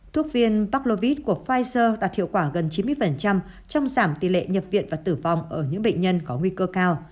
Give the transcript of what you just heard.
thuốc viên parklovid của pfizer đạt hiệu quả gần chín mươi trong giảm tỷ lệ nhập viện và tử vong ở những bệnh nhân có nguy cơ cao